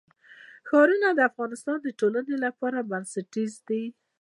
ښارونه د افغانستان د ټولنې لپاره بنسټیز دي.